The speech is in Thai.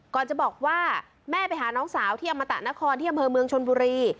จะบอกว่าแม่ไปหาน้องสาวที่อมตะนครที่อำเภอเมืองชนบุรี